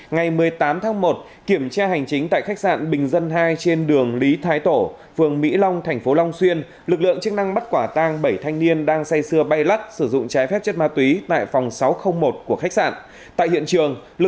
ngày một mươi tám tháng một kiểm tra hành chính tại khách sạn bình dân hai trên đường lý thái tổ phường mỹ long thành phố long xuyên lực lượng chức năng bắt quả tang bảy thanh niên đang say sưa bay lắc sử dụng trái phép chất ma túy tại phòng sáu trăm linh một của khách sạn